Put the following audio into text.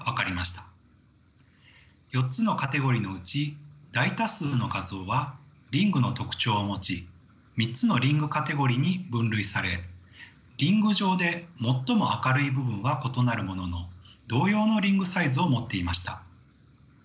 ４つのカテゴリーのうち大多数の画像はリングの特徴を持ち３つのリングカテゴリーに分類されリング上で最も明るい部分は異なるものの同様のリングサイズを持っていました。